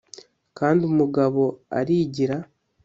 kandi umugabo arigira